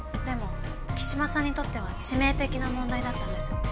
でも木嶋さんにとっては致命的な問題だったんです。